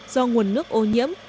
do nguồn nước ô nhiễm